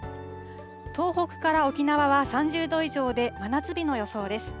東北から沖縄は３０度以上で真夏日の予想です。